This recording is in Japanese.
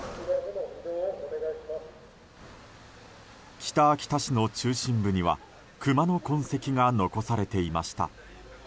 北秋田市の中心部にはクマの痕跡が残されていました。